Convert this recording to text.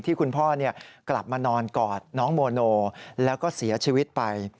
คุณพ่อกลับมานอนกอดน้องโมโนแล้วก็เสียชีวิตไป